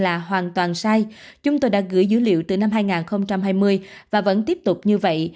là hoàn toàn sai chúng tôi đã gửi dữ liệu từ năm hai nghìn hai mươi và vẫn tiếp tục như vậy